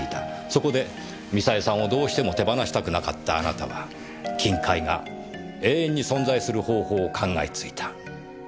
そこでミサエさんをどうしても手放したくなかったあなたは金塊が永遠に存在する方法を考えついた。